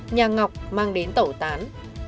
nhà ngọc mang đến tẩu tán